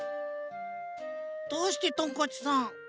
どうしてトンカチさん